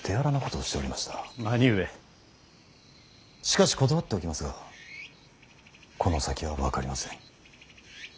しかし断っておきますがこの先は分かりません。